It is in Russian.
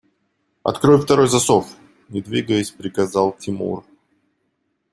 – Открой второй засов! – не двигаясь, приказал Тимур.